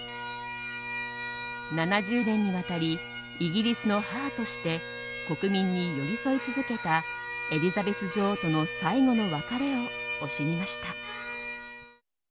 ７０年にわたりイギリスの母として国民に寄り添い続けたエリザベス女王との最後の別れを惜しみました。